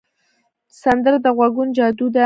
سندره د غږونو جادو ده